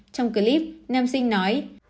trong clip nam sinh nói